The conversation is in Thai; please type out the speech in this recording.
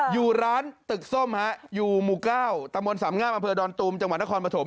อยู่ร้านตึกส้มฮะอยู่หมู่๙ตะมนต์สามงามอำเภอดอนตุมจังหวัดนครปฐม